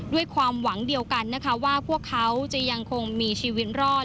ด้วยความหวังเดียวกันนะคะว่าพวกเขาจะยังคงมีชีวิตรอด